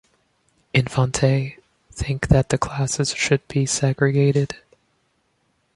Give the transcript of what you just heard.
Infante, think that the classes should be segregated.